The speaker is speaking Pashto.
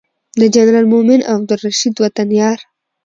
د جنرال مؤمن او عبدالرشید وطن یار